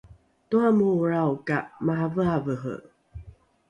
toramorolrao ka maraveravere